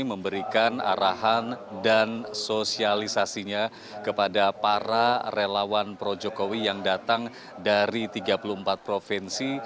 memberikan arahan dan sosialisasinya kepada para relawan projokowi yang datang dari tiga puluh empat provinsi